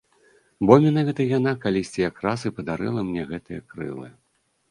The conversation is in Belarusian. Бо менавіта яна калісьці якраз і падарыла мне гэтыя крылы.